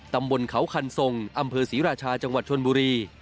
ตำบลเขาคันทรงอำเภอศรีราชาจังหวัดชนบุรี